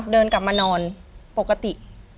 เดินกลับมานอนปกติ